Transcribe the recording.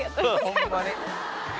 ホンマに。